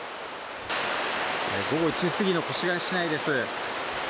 午後１時過ぎの越谷市内です。